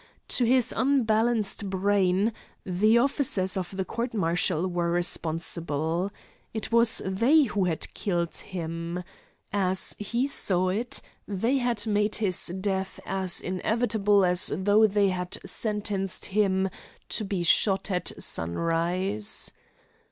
To his unbalanced brain the officers of the court martial were responsible. It was they who had killed him. As he saw it, they had made his death as inevitable as though they had sentenced him to be shot at sunrise.